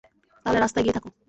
তাহলে রাস্তায় গিয়ে থাক।